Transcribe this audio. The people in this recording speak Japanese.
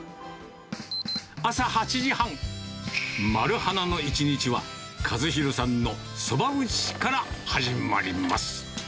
朝８時半、丸花の一日は、和宏さんのそば打ちから始まります。